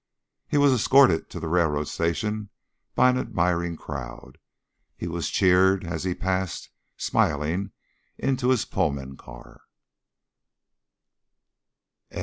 He was escorted to the railroad station by an admiring crowd; he was cheered as he passed, smiling, into his Pullman car.